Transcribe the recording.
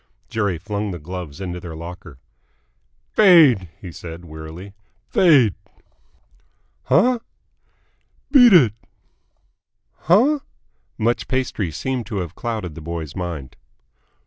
Jerry flung the gloves into their locker. "Fade!" he said wearily. "Fade!" "Huh?" "Beat it!" "Huh?" Much pastry seemed to have clouded the boy's mind.